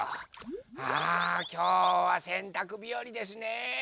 あきょうはせんたくびよりですね！